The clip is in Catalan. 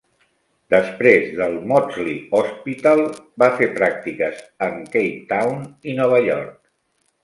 Després del Maudsley Hospital va fer pràctiques en Cape Town i Nova York.